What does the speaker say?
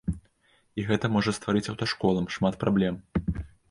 І гэта можа стварыць аўташколам шмат праблем.